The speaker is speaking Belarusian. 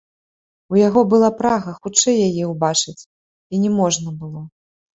У яго была прага хутчэй яе ўбачыць, і не можна было.